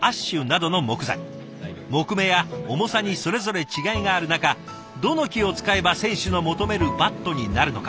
木目や重さにそれぞれ違いがある中どの木を使えば選手の求めるバットになるのか。